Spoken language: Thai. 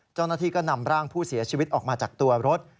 เจ้าหน้าที่ก็นำร่างผู้เสียชีวิตออกมาจากตัวรถ